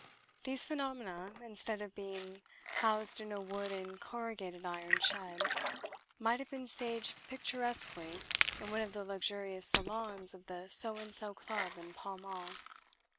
These phenomena, instead of being housed in a wood and corrugated iron shed, might have been staged picturesquely in one of the luxurious salons of the So and So Club in Pall Mall.